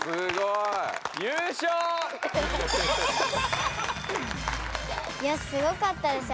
いやすごかったです。